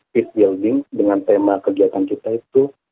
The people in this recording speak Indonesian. peace building dengan tema kegiatan kita itu